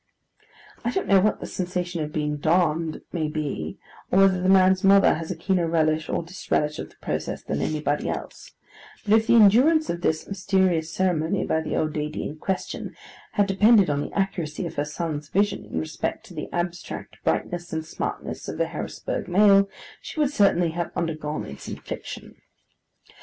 I don't know what the sensation of being darned may be, or whether a man's mother has a keener relish or disrelish of the process than anybody else; but if the endurance of this mysterious ceremony by the old lady in question had depended on the accuracy of her son's vision in respect to the abstract brightness and smartness of the Harrisburg mail, she would certainly have undergone its infliction.